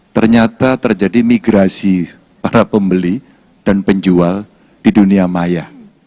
ternyata terjadi migrasi para pembeli dan penjual di dunia maya